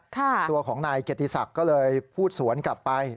ตัวของนายเกียรติศักดิ์ก็เลยพูดสวนกลับไป